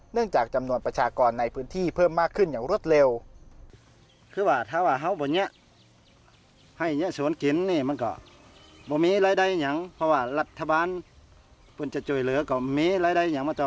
จากจำนวนประชากรในพื้นที่เพิ่มมากขึ้นอย่างรวดเร็ว